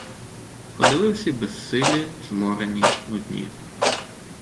Ходили всі безсилі, зморені, нудні.